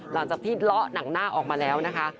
หลังจากที่เลาะหนังหน้าออกมาแล้วนะคะ